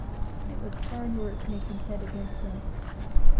It was hard work making head against them.